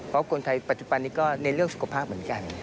เพราะคนไทยปัจจุบันนี้ก็ในเรื่องสุขภาพเหมือนกัน